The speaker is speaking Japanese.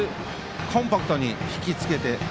コンパクトに引き付けて。